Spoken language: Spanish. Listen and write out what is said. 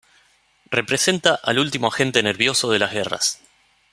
Representa al último agente nervioso de las guerras.